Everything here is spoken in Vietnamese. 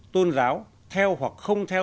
tôn giáo theo hoặc không theo